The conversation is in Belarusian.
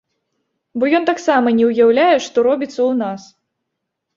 Бо ён таксама не ўяўляе, што робіцца ў нас.